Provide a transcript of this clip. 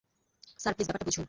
Sir, please, ব্যাপারটা বুঝুন।